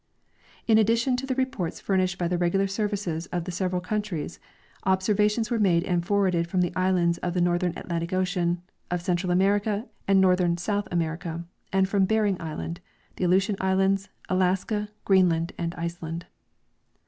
In addition to the reports furnished by the regular services of the several countries, obser vations Avere made and forwarded from the islands of the north ern Atlantic ocean, of Central America and northern South America, and from Bering island, the Aleutian islands, Alaska, Greenland and Iceland.